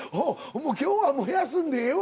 「今日はもう休んでええわ」